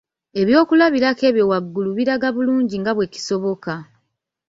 Ebyokulabirako ebyo waggulu biraga bulungi nga bwe kisoboka